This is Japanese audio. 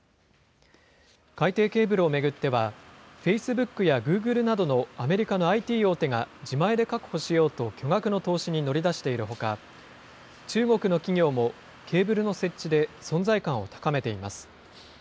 海底ケーブルを巡っては、フェイスブックやグーグルなどのアメリカのＩＴ大手が自前で確保しようと、巨額の投資に乗り出しているほか、中国の企業も、ケーブルの設置で存在感を高めています。